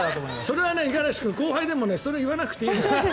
それは五十嵐君後輩でもそれは言わなくていいのよ。